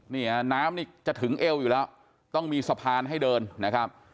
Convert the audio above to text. เนี่ยน้ำนี่จะถึงเอวอยู่แล้วต้องมีสะพานให้เดินนะครับ